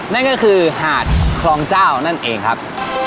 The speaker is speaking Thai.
นั่นก็คือหาดคลองเจ้านั่นเองครับ